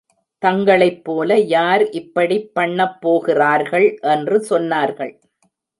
தங்களைப் போல யார் இப்படிப் பண்ணப் போகிறார்கள் என்று சொன்னார்கள்.